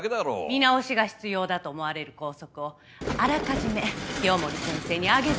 見直しが必要だと思われる校則をあらかじめ清守先生に挙げて頂きました。